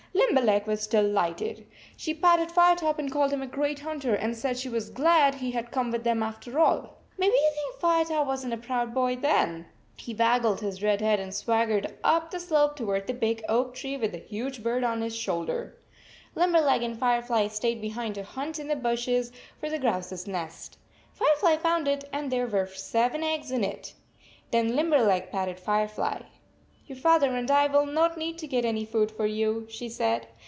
Limberleg was de lighted. She patted Firetop and called him a great hunter, and said she was glad he had come w r ith them after all. Maybe you think Firetop was n t a proud 57 boy then ! He waggled his red head and swaggered up the slope toward the big oak tree with the huge bird on his shoulder. Limberleg and Firefly stayed behind to hunt in the bushes for the grouse s nest. Fire fly found it, and there were seven eggs in it! Then Limberleg patted Firefly. "Your father and I will not need to get any food for you," she said.